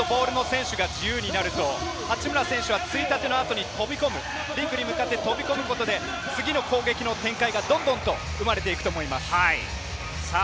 ボールの選手が自由になると八村選手はついたての後に飛び込む、そうすることで次の攻撃の展開がどんどんと生まれていくと思います。